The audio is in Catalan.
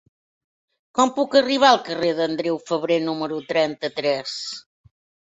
Com puc arribar al carrer d'Andreu Febrer número trenta-tres?